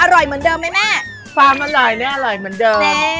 อร่อยเหมือนเดิมไหมแม่ความอร่อยเนี่ยอร่อยเหมือนเดิม